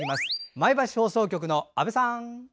前橋放送局の阿部さん！